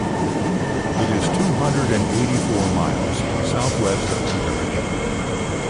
It is two hundred and eighty-four miles southwest of Anchorage.